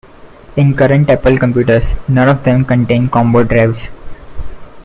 In current Apple computers, none of them contain combo drives.